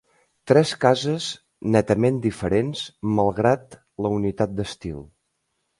Tres cases netament diferents, malgrat la unitat d'estil.